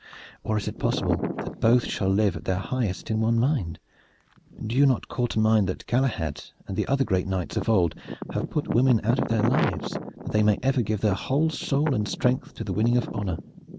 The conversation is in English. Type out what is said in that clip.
or is it possible that both shall live at their highest in one mind? Do you not call to mind that Galahad and other great knights of old have put women out of their lives that they might ever give their whole soul and strength to the winning of honor?